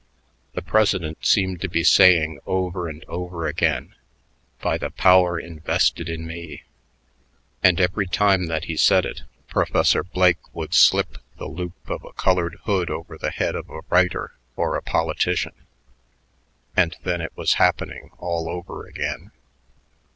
The president seemed to be saying over and over again, "By the power invested in me ..." and every time that he said it, Professor Blake would slip the loop of a colored hood over the head of a writer or a politician and then it was happening all over again.